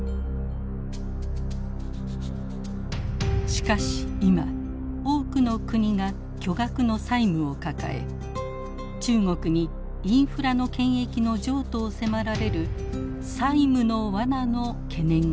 しかし今多くの国が巨額の債務を抱え中国にインフラの権益の譲渡を迫られる債務のわなの懸念が広がっています。